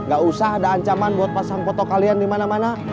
gak usah ada ancaman buat pasang foto kalian di mana mana